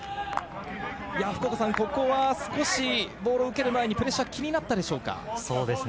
ここは少しボールを受ける前にプレッシャー、気になったでしょうか？